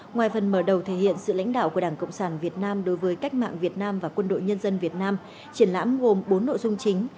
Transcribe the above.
ngoài phần mở đầu thể hiện sự lãnh đạo của đảng cộng sản việt nam đối với cách mạng việt nam và quân đội nhân dân việt nam triển lãm gồm bốn nội dung chính